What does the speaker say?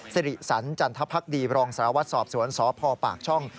สิริสันจันทพักดีรองสารวัตรสอบสวนสพปากช่อง